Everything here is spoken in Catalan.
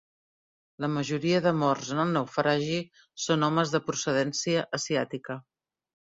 La majoria de morts en el naufragi són homes de procedència asiàtica.